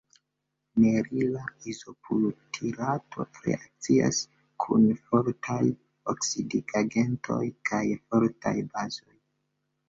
Nerila izobutirato reakcias kun fortaj oksidigagentoj kaj fortaj bazoj.